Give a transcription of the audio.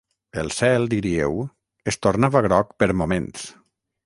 El cel, diríeu, es tornava groc per moments.